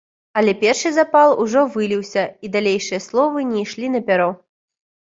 Але першы запал ужо выліўся, і дальшыя словы не ішлі на пяро.